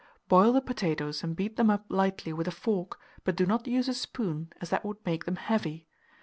Boil the potatoes, and beat them up lightly with a fork, but do not use a spoon, as that would make them heavy.